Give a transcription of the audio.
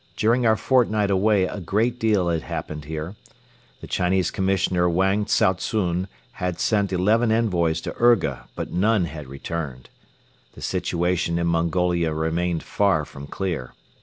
During our fortnight away a great deal had happened here. The Chinese Commissioner Wang Tsao tsun had sent eleven envoys to Urga but none had returned. The situation in Mongolia remained far from clear.